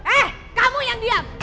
eh kamu yang diam